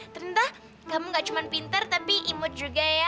ternyata kamu gak cuma pinter tapi imut juga ya